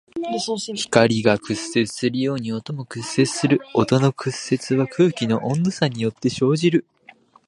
光が屈折するように音も屈折する。音の屈折は空気の温度差によって生じる。